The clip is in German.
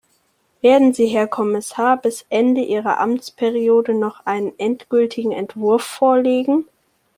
Werden Sie, Herr Kommissar, bis Ende Ihrer Amtsperiode noch einen endgültigen Entwurf vorlegen?